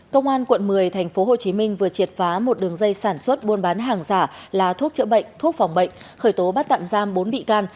công an quận một mươi thành phố hồ chí minh vừa triệt phá một đường dây sản xuất buôn bán hàng giả là thuốc chữa bệnh thuốc phòng bệnh khởi tố bắt tạm giam bốn bị can